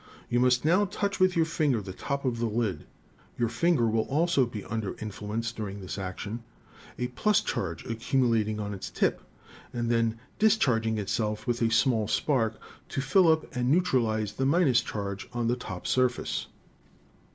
"You must now touch with your finger the top of the lid. Your finger will also be under influence dur ing this action, a + charge accumulating on its tip and then discharging itself with a small spark to fill up and neutralize the — charge on the top surface.